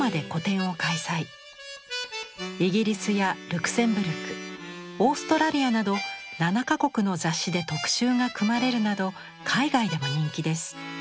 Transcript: イギリスやルクセンブルクオーストラリアなど７か国の雑誌で特集が組まれるなど海外でも人気です。